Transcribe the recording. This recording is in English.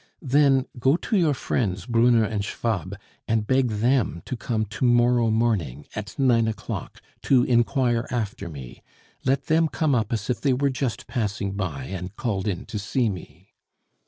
Then go to your friends Brunner and Schwab and beg them to come to morrow morning at nine o'clock to inquire after me; let them come up as if they were just passing by and called in to see me."